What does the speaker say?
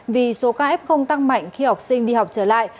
vì số ca f không tăng mạnh khi học sinh đi học trở lại